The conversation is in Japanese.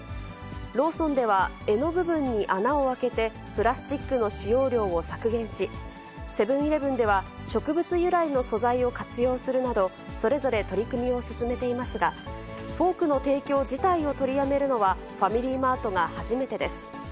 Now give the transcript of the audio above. ローソンでは柄の部分に穴を開けてプラスチックの使用量を削減し、セブンイレブンでは植物由来の素材を活用するなど、それぞれ取り組みを進めていますが、フォークの提供自体を取りやめるのはファミリーマートが初めてです。